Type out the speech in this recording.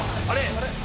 あれ。